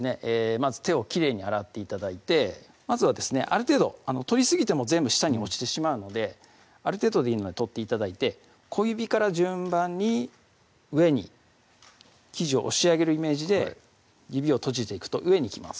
まず手をきれいに洗って頂いてまずはですね取りすぎても全部下に落ちてしまうのである程度でいいので取って頂いて小指から順番に上に生地を押し上げるイメージで指を閉じていくと上に来ます